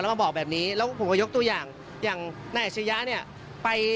แล้วมาบอกแบบนี้แล้วผมก็ยกตัวอย่างอย่างนายอัตรียะ